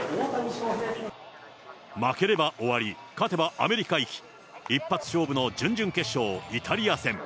負ければ終わり、勝てばアメリカ行き。一発勝負の準々決勝、イタリア戦。